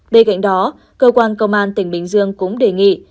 bên cạnh đó cơ quan công an tỉnh bình dương cũng đề nghị